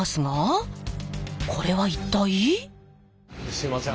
すいません